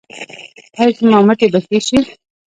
ایا زما مټې به ښې شي؟